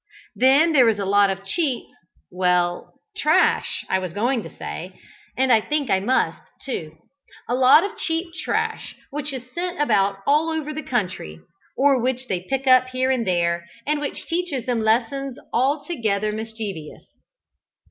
Then there is a lot of cheap well, trash I was going to say, and I think I must, too a lot of cheap trash which is sent about all over the country, or which they pick up here and there, and which teaches them lessons altogether mischievous.